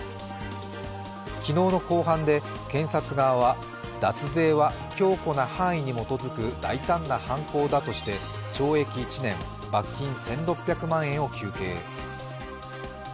昨日の公判で検察側は脱税は強固な犯意基づく大胆な犯行だとして懲役１年、罰金１６００万円を求刑。